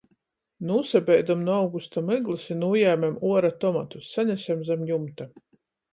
Nūsabeidom nu augusta myglys i nūjēmem uora tomatus, sanesem zam jumta.